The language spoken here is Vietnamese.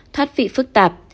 thoát vị phức tạp